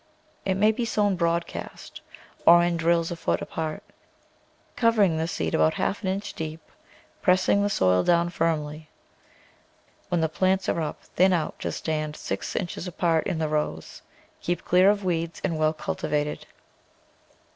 It may be sown broad cast or in drills a foot apart, covering the seed about half an inch deep, pressing the soil down firm ly. When the plants are up, thin out to stand six inches apart in the rows. Keep clear of weeds and well cultivated.